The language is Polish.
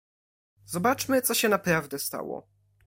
"Zobaczmy co się naprawdę stało."